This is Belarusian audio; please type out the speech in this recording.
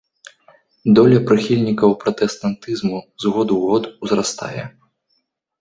Доля прыхільнікаў пратэстантызму з году ў год узрастае.